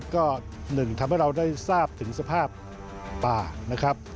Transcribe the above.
ก็หนึ่งทำให้เราได้ทราบถึงสภาพป่านะครับ